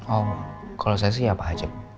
oh kalau saya sih apa ajab